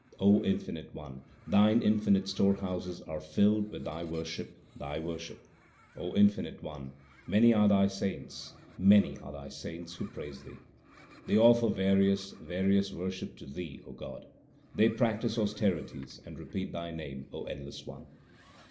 O Infinite One, Thine infinite storehouses are filled with Thy worship, Thy worship. O Infinite One, many are Thy saints, many are Thy saints who praise Thee. They offer various, various worship to Thee, O God ; they practise austerities and repeat Thy name, O endless One.